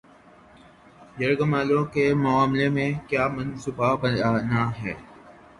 یرغمالوں کے معاملے میں کیا منصوبہ بنایا ہے